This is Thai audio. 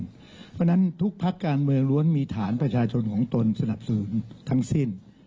เพราะฉะนั้นทุกพักการเมืองล้วนมีฐานประชาชนของตนสนับสนุนทั้งสิ้น